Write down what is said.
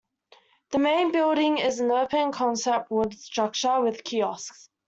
The main building is an open-concept wood structure with kiosks.